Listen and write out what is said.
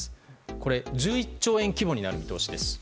これ１１兆円規模になる見通しです。